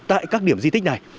tại các điểm di tích này